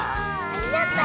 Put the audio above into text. ありがとう！